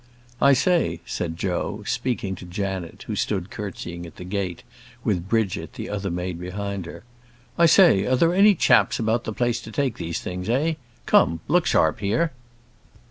"I say," said Joe, speaking to Janet, who stood curtsying at the gate, with Bridget, the other maid, behind her, "I say, are there any chaps about the place to take these things eh? come, look sharp here."